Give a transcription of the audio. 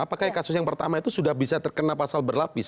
apakah kasus yang pertama itu sudah bisa terkena pasal berlapis